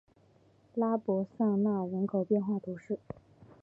拉博桑讷人口变化图示